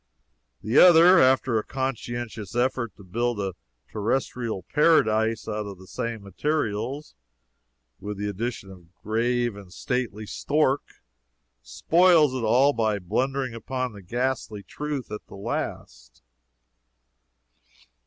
The other, after a conscientious effort to build a terrestrial paradise out of the same materials, with the addition of a "grave and stately stork," spoils it all by blundering upon the ghastly truth at the last.